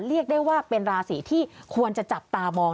เรียกได้ว่าเป็นราศีที่ควรจะจับตามอง